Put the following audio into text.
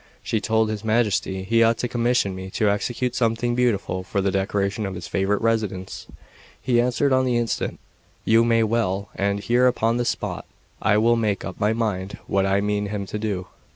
She told his Majesty he ought to commission me to execute something beautiful for the decoration of his favourite residence. He answered on the instant: "You say well, and here upon the spot I will make up my mind what I mean him to do."